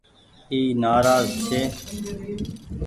اي نآراز ڇي۔